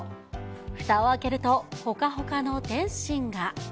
ふたを開けると、ほかほかの点心が。